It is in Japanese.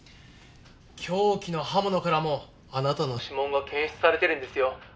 凶器の刃物からもあなたの指紋が検出されてるんですよ。